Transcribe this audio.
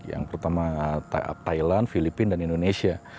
yang pertama thailand finland indonesia dan indonesia